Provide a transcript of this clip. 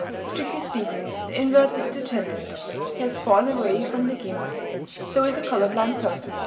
Strictly speaking, the invert is degenerate; he has fallen away from the genus. So is a color blind person.